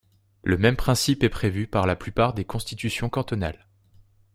Le même principe est prévu par la plupart des constitutions cantonales.